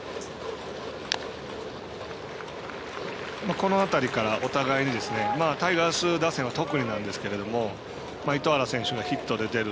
この辺りからお互いにタイガース打線は特になんですけど糸原選手がヒットで出る。